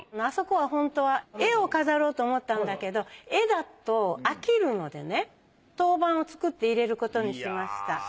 あそこはホントは絵を飾ろうと思ったんだけど絵だと飽きるのでね陶板を作って入れることにしました。